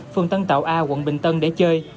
phường tân tạo a quận bình tân để chơi